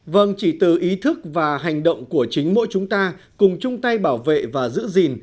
vâng chỉ từ ý thức và hành động của chính mỗi chúng ta cùng chung tay bảo vệ và giữ gìn